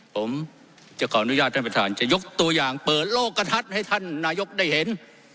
ผมจะขออนุญาตท่านประธานจะยกตัวอย่างเปิดโลกกระทัดให้ท่านนายกได้เห็น